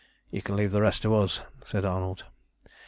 You can leave the rest to us," said Arnold.